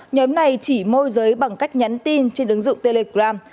nhóm này chỉ môi giới bằng cách nhắn tin trên ứng dụng telegram